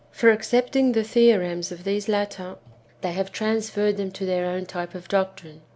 For, accepting the theorems of these latter, they have transferred them to their own type of doctrine.